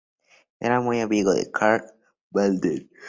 Era muy amigo de Karl Malden.